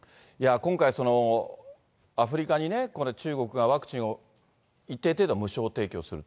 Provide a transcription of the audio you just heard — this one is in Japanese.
今回、アフリカに中国がワクチンを一定程度無償提供する。